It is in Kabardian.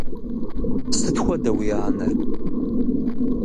Сыт хуэдэ уи анэр?